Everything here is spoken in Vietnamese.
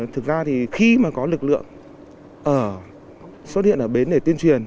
thực ra thì khi mà có lực lượng xuất hiện ở bến để tuyên truyền